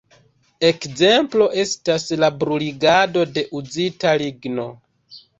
Ekzemplo estas la bruligado de uzita ligno.